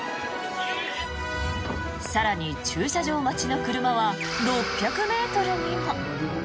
更に、駐車場待ちの車は６００ｍにも。